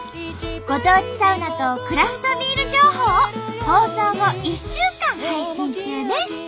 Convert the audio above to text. ご当地サウナとクラフトビール情報を放送後１週間配信中です。